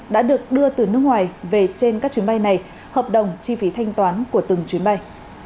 đã được đưa từ nước ngoài về trên các chuyến bay này hợp đồng chi phí thanh toán của từng chuyến bay